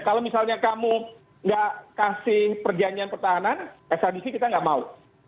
kalau misalnya kamu nggak kasih perjanjian pertahanan ekstradisi kita nggak mau